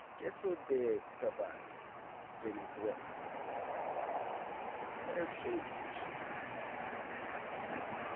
Queso de Cavallo Venezuela Pear shaped cheese.